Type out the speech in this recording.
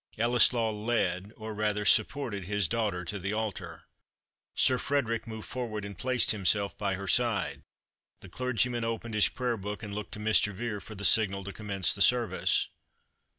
Ellieslaw led, or rather supported, his daughter to the altar. Sir Frederick moved forward and placed himself by her side. The clergyman opened his prayer book, and looked to Mr. Vere for the signal to commence the service.